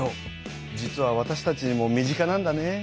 実はわたしたちにも身近なんだね。